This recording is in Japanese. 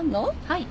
はい。